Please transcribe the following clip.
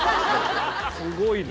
すごいな。